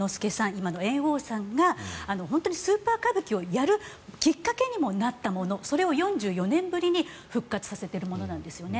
今の猿翁さんがスーパー歌舞伎をやるきっかけにもなったものそれを４４年ぶりに復活させているものなんですね。